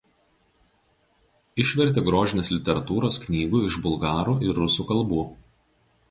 Išvertė grožinės literatūros knygų iš bulgarų ir rusų kalbų.